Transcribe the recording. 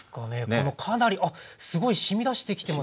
このかなりあっすごいしみ出してきてます。